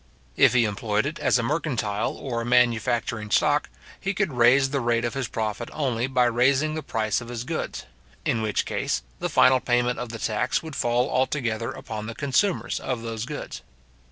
If he employed it as a mercantile or manufacturing stock, he could raise the rate of his profit only by raising the price of his goods; in which case, the final payment of the tax would fall altogether upon the consumers of those goods.